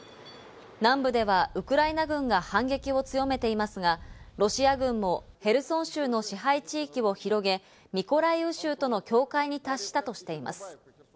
南部ではウクライナ軍が反撃を強めていますが、ロシア軍もヘルソン州の支配地域を広げ、ミコライウ州との境界に達したとしています。